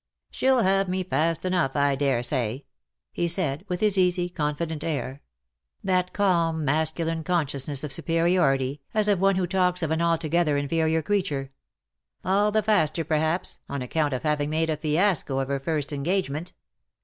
'^ SheTl have me fast enough, I daresay,^^ he said, with his easy, confident air — that calm masculine 74 '' LOVE WILL HAVE HIS DAY." consciousness of superiority, as of one who talks of an altogether inferior creature; "all the faster, perhaps, on account of having made a fiasco of her first engagement.